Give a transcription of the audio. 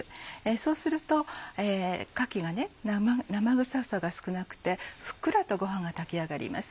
そうするとかきが生臭さが少なくてふっくらとごはんが炊き上がります。